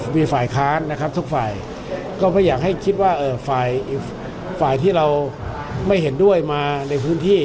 มีฝ่ายค้านนะครับทุกฝ่ายก็ไม่อยากให้คิดว่าฝ่ายอีกฝ่ายที่เราไม่เห็นด้วยมาในพื้นที่